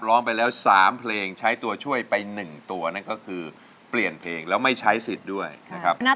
ร้องไปแล้ว๓เพลงใช้ตัวช่วยไป๑ตัวนั่นก็คือเปลี่ยนเพลงแล้วไม่ใช้สิทธิ์ด้วยนะครับ